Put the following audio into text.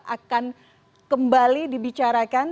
akan kembali dibicarakan